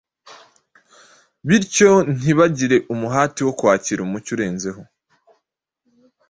bityo ntibagire umuhati wo kwakira umucyo urenzeho.